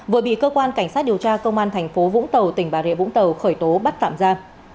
vừa bị cơ quan cảnh sát điều tra công an thành phố vũng tàu tỉnh bà rịa vũng tàu khởi tố bắt tạm ra